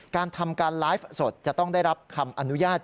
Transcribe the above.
การทำการไลฟ์สดจะต้องได้รับคำอนุญาต